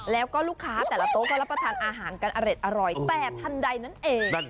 แล้วก็ลูกค้าแต่ละโต๊ะก็รับประทานอาหารกันอร่อยแต่ทันใดนั่นเอง